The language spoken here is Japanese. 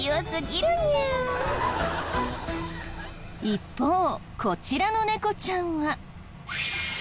一方こちらの猫ちゃんは。